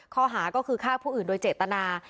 ข้อหาก็คือฆ่าผู้อื่นโดยเจตนา